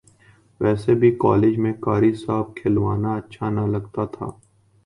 ویسے بھی کالج میں قاری صاحب کہلوانا اچھا نہ لگتا تھا